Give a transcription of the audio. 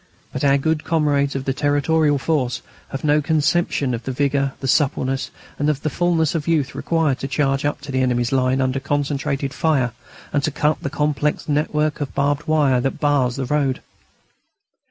But our good comrades of the Territorial Force have no conception of the vigour, the suppleness, and of the fulness of youth required to charge up to the enemy's line under concentrated fire and to cut the complex network of barbed wire that bars the road.